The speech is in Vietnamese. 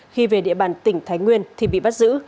khi về địa bàn tỉnh thái nguyên thì bị bắt giữ